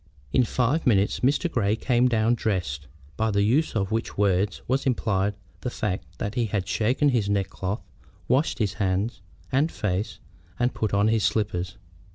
In five minutes Mr. Grey came down "dressed," by the use of which word was implied the fact that he had shaken his neckcloth, washed his hands and face, and put on his slippers.